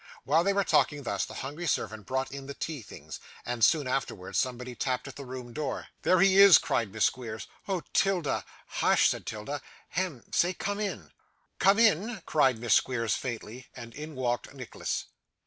While they were talking thus, the hungry servant brought in the tea things, and, soon afterwards, somebody tapped at the room door. 'There he is!' cried Miss Squeers. 'Oh 'Tilda!' 'Hush!' said 'Tilda. 'Hem! Say, come in.' 'Come in,' cried Miss Squeers faintly. And in walked Nicholas.